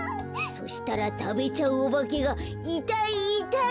そしたらたべちゃうおばけが「いたいいたい！」